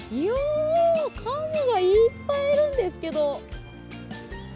カモがいっぱいいるんですけど。